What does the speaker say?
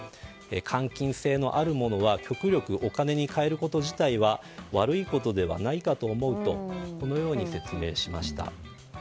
換金性のあるものは極力お金に換えること自体は悪いことではないかと思うと説明しました。